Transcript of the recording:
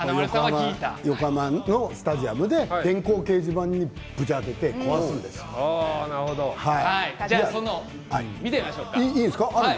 横浜のスタジアムで電光掲示板にぶち当たって見てみましょうか。